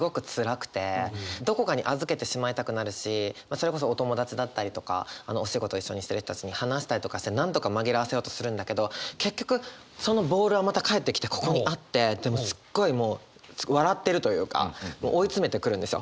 それこそお友達だったりとかお仕事一緒にしてる人たちに話したりとかしてなんとか紛らわせようとするんだけど結局そのボールはまた返ってきてここにあってでもすっごいもう笑ってるというかもう追い詰めてくるんですよ。